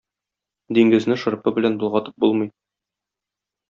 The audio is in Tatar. Диңгезне шырпы белән болгатып булмый.